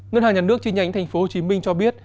ngân hàng nhà nước chi nhánh tp hcm cho biết